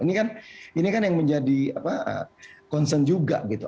ini kan ini kan yang menjadi apa concern juga gitu